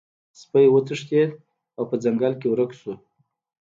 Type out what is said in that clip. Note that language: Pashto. سپی وتښتید او په ځنګل کې ورک شو.